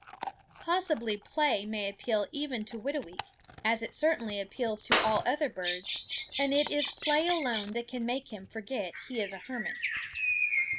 Possibly play may appeal even to Whitooweek, as it certainly appeals to all other birds; and it is play alone that can make him forget he is a hermit.